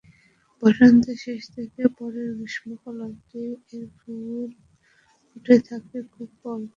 বসন্তের শেষ থেকে পরের গ্রীষ্মকাল অবধি এর ফুল ফুটে থাকে, খুব অল্প সময়ের জন্য।